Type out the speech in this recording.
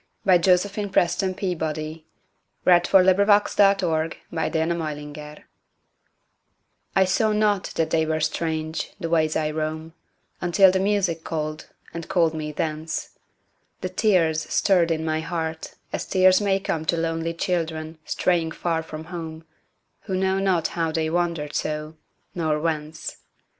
By Josephine PrestonPeabody 1671 After Music I SAW not they were strange, the ways I roam, Until the music called, and called me thence, And tears stirred in my heart as tears may comeTo lonely children straying far from home, Who know not how they wandered so, nor whence.